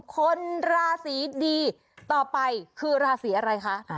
คนราศีดีต่อไปคือราศีอะไรคะ